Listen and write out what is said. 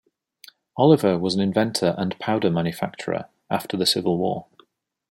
Oliver was an inventor and powder manufacturer after the Civil War.